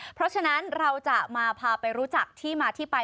เพราะฉะนั้นเราจะมาพาไปรู้จักที่มาที่ไป